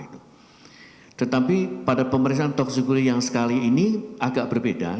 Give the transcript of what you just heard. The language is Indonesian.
tetapi pada pemeriksaan toksikologi yang sekali ini agak berbeda